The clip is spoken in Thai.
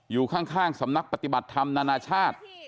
อยู่ข้างสำนักปฏิบัติธรรมนานาชาติ